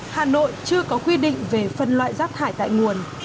hà nội chưa có quy định về phân loại rác thải tại nguồn